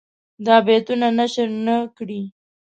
دا بیتونه نشر نه کړي.